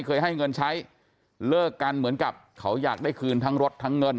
เคยให้เงินใช้เลิกกันเหมือนกับเขาอยากได้คืนทั้งรถทั้งเงิน